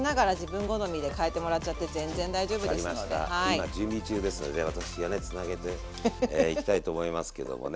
今準備中ですので私がねつなげていきたいと思いますけどもね。